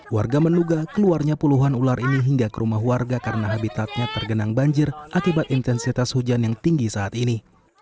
warga menduga keluarnya puluhan ular ini hingga ke rumah warga karena habitatnya tergenang banjir akibat intensitas hujan yang tinggi saat ini